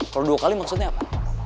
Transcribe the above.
kalau dua kali maksudnya apa